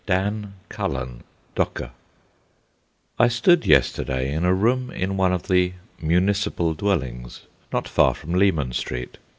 DAN CULLEN, DOCKER I stood, yesterday, in a room in one of the "Municipal Dwellings," not far from Leman Street.